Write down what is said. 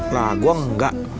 nah gua enggak